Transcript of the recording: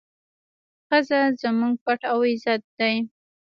ښځه زموږ پت او عزت دی.